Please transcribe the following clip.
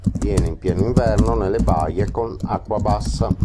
Avviene in pieno inverno nelle baie con acqua bassa.